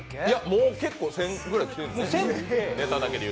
もう結構、１０００ぐらい来てるんじゃない。